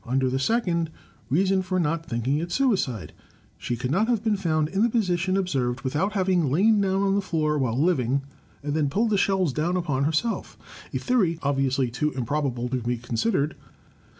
Under the second: Reason for not thinking it suicide: She could not have been found in the position observed without having lain down on the floor while living and then pulled the shelves down upon herself. (A theory obviously too improbable to be considered.)